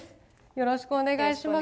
よろしくお願いします。